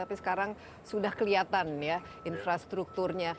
tapi sekarang sudah kelihatan ya infrastrukturnya